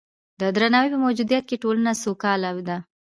د درناوي په موجودیت کې ټولنه سوکاله ده.